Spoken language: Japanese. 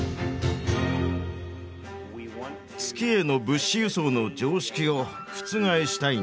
月への物資輸送の常識を覆したいんだ。